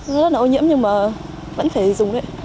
rất là ô nhiễm nhưng mà vẫn phải dùng đấy